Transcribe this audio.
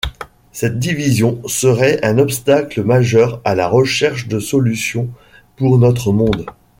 Cette division serait un obstacle majeur à la recherche de solutions pour notre monde.